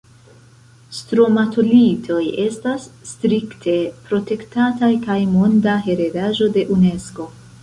Stromatolitoj estas strikte protektataj kaj Monda heredaĵo de Unesko.